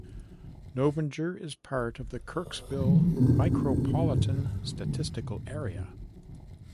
Novinger is part of the Kirksville Micropolitan Statistical Area.